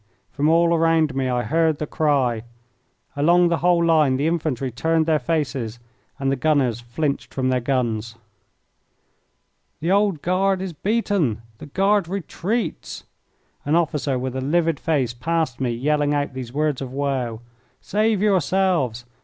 From all around me I heard the cry. Along the whole line the infantry turned their faces and the gunners flinched from their guns. "The Old Guard is beaten! The Guard retreats!" An officer with a livid face passed me yelling out these words of woe. "Save yourselves!